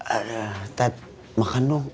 eh ntar makan dong